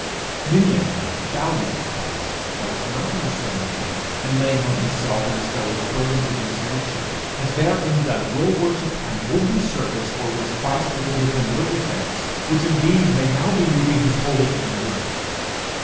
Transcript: Many a man valiant for Christ, but not understanding him, and laying on himself and his fellows burdens against nature, has therein done will worship and would be service for which Christ will give him little thanks, which indeed may now be moving his holy anger.